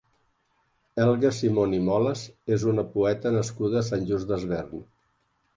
Helga Simón i Molas és una poeta nascuda a Sant Just Desvern.